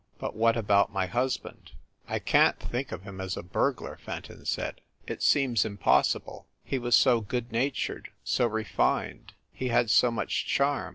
But what about my husband ?" "I can t think of him as a burglar," Fenton said. "It seems impossible. He was so good natured, so refined. He had so much charm."